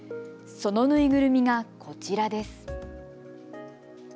そのぬいぐるみが、こちらです。